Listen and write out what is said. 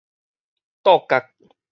桌角